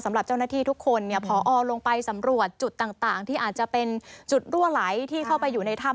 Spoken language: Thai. สำหรับเจ้าหน้าที่ทุกคนเนี่ยพอลงไปสำรวจจุดต่างที่อาจจะเป็นจุดรั่วไหลที่เข้าไปอยู่ในถ้ำ